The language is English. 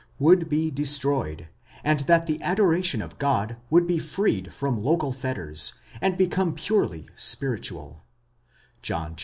would be destroyed, and that the adoration of God would be freed from local fetters, and become purely spiritual (John iv.